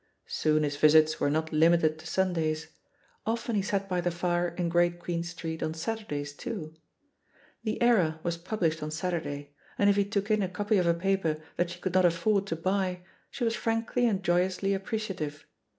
Soon his visits were not limited to Sundays; often he sat by the fire in Great Queen Street on Saturdays too. The Era was published on Saturday, and if he took in a copy of a paper iJiat she could not aff^ord to buy she was frankly and joyously appreciative.